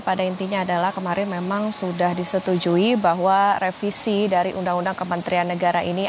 pada intinya adalah kemarin memang sudah disetujui bahwa revisi dari undang undang kementerian negara ini